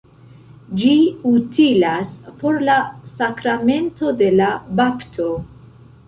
Ĝi utilas por la sakramento de la bapto.